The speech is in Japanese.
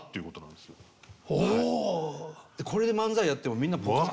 でこれで漫才やってもみんなポカン。